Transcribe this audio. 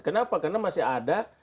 kenapa karena masih ada